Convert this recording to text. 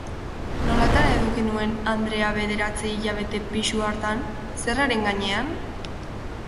Nolatan eduki nuen andrea bederatzi hilabete pisu hartan, zerraren gainean?